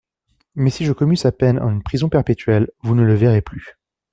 Mais si je commue sa peine en une prison perpétuelle, vous ne le verrez plus.